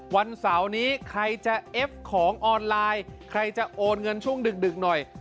วันเสาร์นี้ใครจะเอฟของออนไลน์ใครจะโอนเงินช่วงดึกหน่อย